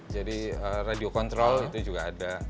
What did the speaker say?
jadi radio kontrol itu juga ada